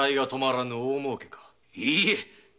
いいえ